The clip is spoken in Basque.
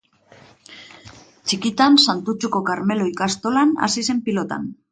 Txikitan Santutxuko Karmelo ikastolan hasi zen pilotan.